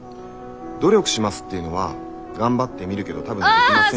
努力しますっていうのは頑張ってみるけど多分できません。